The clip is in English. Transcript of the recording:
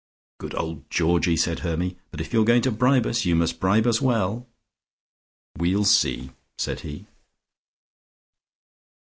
"Good old Georgie," said Hermy. "But if you're going to bribe us, you must bribe us well." "We'll see," said he.